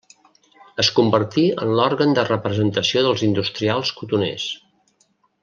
Es convertí en l'òrgan de representació dels industrials cotoners.